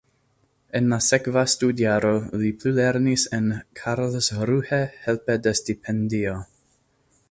En la sekva studjaro li plulernis en Karlsruhe helpe de stipendio.